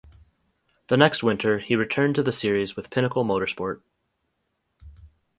The next winter he returned to the series with Pinnacle Motorsport.